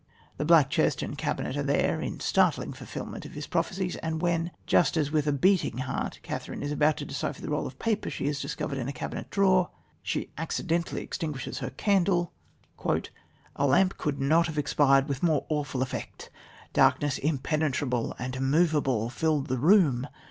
The black chest and the cabinet are there in startling fulfilment of his prophecies, and when, just as with beating heart Catherine is about to decipher the roll of paper she has discovered in the cabinet drawer, she accidentally extinguishes her candle: "A lamp could not have expired with more awful effect... Darkness impenetrable and immovable filled the room.